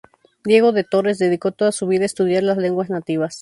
Diego de Torres dedicó toda su vida a estudiar las lenguas nativas.